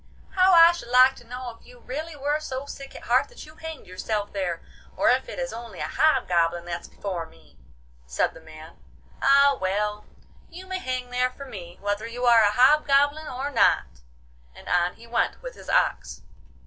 'How I should like to know if you really were so sick at heart that you hanged yourself there, or if it is only a hobgoblin that's before me!' said the man. 'Ah, well! you may hang there for me, whether you are a hobgoblin or not,' and on he went with his ox.